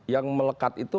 yang melekat itu